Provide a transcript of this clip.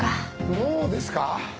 もうですか！？